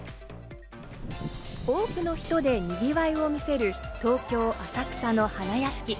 多くの人で賑わいを見せる東京・浅草の花やしき。